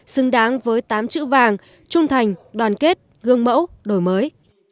xứng đáng với tám chữ vàng trung thành đoàn kết gương mẫu đổi mới